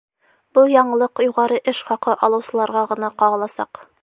Был яңылыҡ юғары эш хаҡы алыусыларға ғына ҡағыласаҡ.